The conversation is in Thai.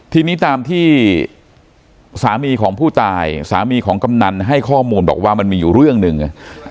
ทีนี้ตามที่สามีของผู้ตายสามีของกำนันให้ข้อมูลบอกว่ามันมีอยู่เรื่องหนึ่ง